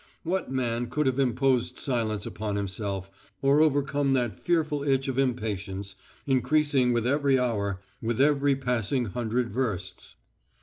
What man could have imposed silence upon himself, or overcome that fearful itch of impatience, increasing with every hour, with every passing hundred versts?